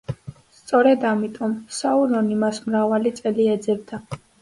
სწორედ ამიტომ საურონი მას მრავალი წელი ეძებდა.